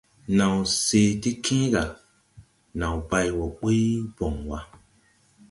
Naw se ti kęę ga, naw bay wɔɔ ɓuy bon wa.